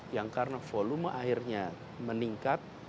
yang karena volume airnya meningkat